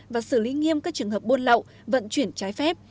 và xử lý nghiêm các trường hợp buôn lậu vận chuyển trái phép